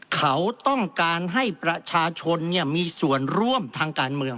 เขาต้องการให้ประชาชนมีส่วนร่วมทางการเมือง